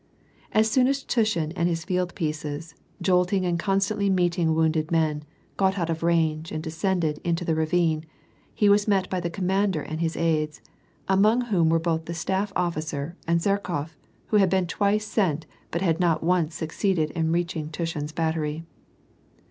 As soon as Tushiu and his field pieces, jolting and constantly meeting wounded men, got out of range and descended into the ravine, he was met by the commander and his aides, among whom were both the staff officer and Zherkof, who had been twice sent but had not once succeeded in reaching Tushiu's battery.